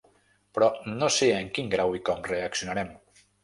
Però no sé en quin grau i com reaccionarem.